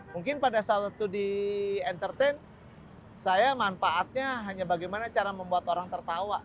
mungkin pada saat itu di entertain saya manfaatnya hanya bagaimana cara membuat orang tertawa